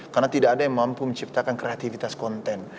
karena tidak ada yang mampu menciptakan kreativitas konten